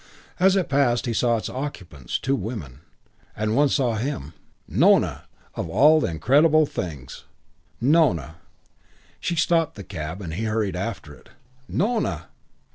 As it passed he saw its occupants two women; and one saw him Nona! Of all incredible things, Nona! She stopped the cab and he hurried after it. "Nona!"